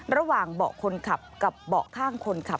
ระหว่างเบาะคนขับกับเบาะข้างคนขับ